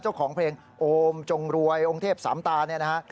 เจ้าของเพลงโอมจงรวยองค์เทพสามตาเนี่ยนะฮะ